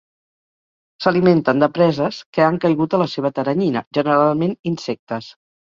S'alimenten de preses que han caigut a la seva teranyina, generalment insectes.